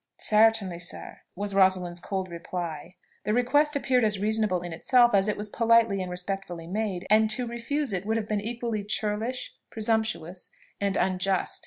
"Certainly, sir," was Rosalind's cold reply. The request appeared as reasonable in itself as it was politely and respectfully made, and to refuse it would have been equally churlish, presumptuous and unjust.